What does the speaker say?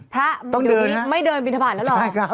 ถ้าเดี๋ยวนี้ไม่เดินบินทบาทแล้วหรอ